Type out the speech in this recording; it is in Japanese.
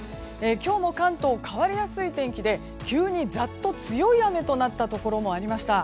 今日も関東、変わりやすい天気で急にザッと強い雨となったところもありました。